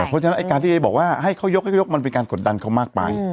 เพราะฉะนั้นไอ้การที่เอบอกว่าให้เขายกให้เขายกมันเป็นการกดดันเขามากไป